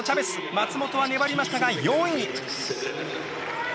松本は粘りましたが４位。